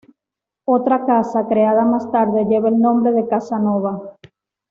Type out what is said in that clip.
Otra casa, creada más tarde, lleva el nombre de Casa-nova.